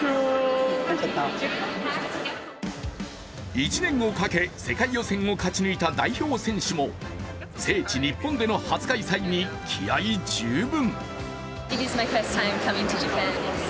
１年をかけ世界予選を勝ち抜いた代表選手も聖地・日本での初開催に気合い十分。